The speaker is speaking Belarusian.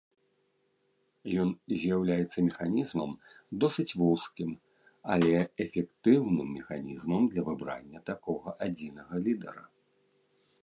Ён з'яўляецца механізмам, досыць вузкім, але эфектыўным механізмам для выбрання такога адзінага лідара.